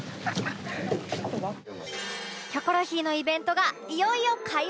『キョコロヒー』のイベントがいよいよ開幕！